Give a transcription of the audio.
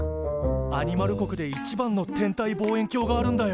アニマル国で一番の天体望遠鏡があるんだよ。